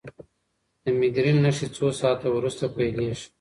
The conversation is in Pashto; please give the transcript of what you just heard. د مېګرین نښې څو ساعته وروسته پیلېږي.